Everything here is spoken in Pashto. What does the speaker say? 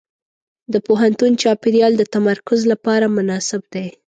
د پوهنتون چاپېریال د تمرکز لپاره مناسب دی.